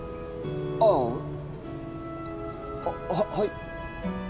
ああははい？